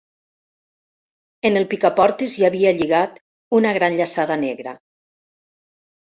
En el picaportes hi havia lligat una gran llaçada negra.